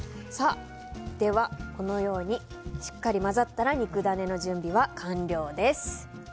では、このようにしっかり混ざったら肉ダネの準備は完了です。